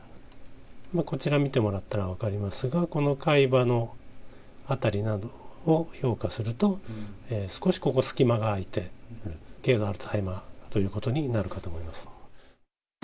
こちら見てもらったら分かりますが、この海馬の辺りを評価すると、少しここ隙間が空いて、軽度のアルツハイマーということになるかと思います。